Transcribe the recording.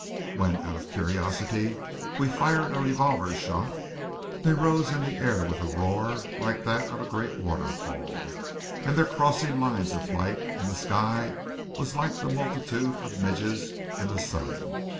When, out of curiosity, we fired a revolver shot, they rose in the air with a roar like that of a great waterfall, and their crossing lines of flight in the sky was like the multitude of midges in the sun.